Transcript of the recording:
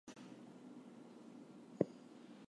At this point the road heads into Cambridge.